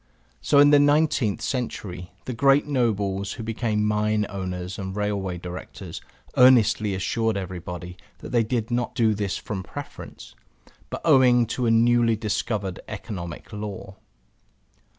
So in the nineteenth century the great nobles who became mine owners and railway directors earnestly assured everybody that they did not do this from preference, but owing to a newly discovered Economic Law.